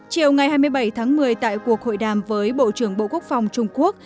chiều ngày hai mươi bảy tháng một mươi tại cuộc hội đàm với bộ trưởng bộ quốc phòng trung quốc